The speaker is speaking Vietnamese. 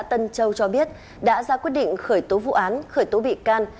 tân châu cho biết đã ra quyết định khởi tố vụ án khởi tố bị can